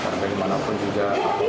karena bagaimanapun juga